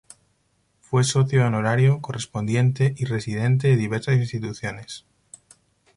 Fue Socio Honorario, Correspondiente y Residente de diversas instituciones.